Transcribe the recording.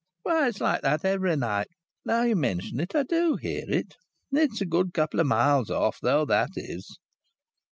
Why, it's like that every night. Now you mention it, I do hear it! It's a good couple o' miles off, though, that is!"